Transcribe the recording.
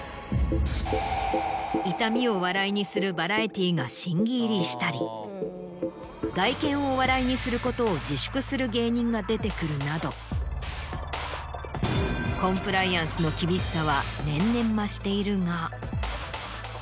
痛みを笑いにするバラエティーが審議入りしたり外見を笑いにすることを自粛する芸人が出てくるなどコンプライアンスの厳しさは年々増しているが。